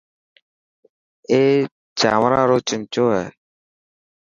اي چانور رو چمچو هي.